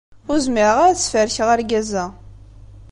Ur zmireɣ ara ad sferkeɣ argaz-a.